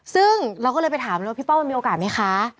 ซึ่งเราก็เลยไปถามแล้วว่าพี่ป้องมันมีโอกาสไหมคะ